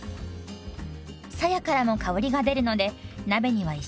さやからも香りが出るので鍋には一緒に入れますよ。